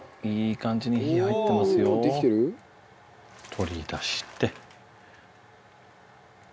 取り出して。